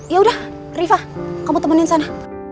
ya udah rifa kamu temenin sana